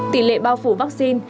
tỷ lệ bao phủ vaccine